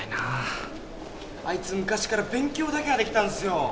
・あいつ昔から勉強だけはできたんすよ。